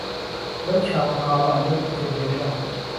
لەو چاوە کاڵە لەو پرچە درێژە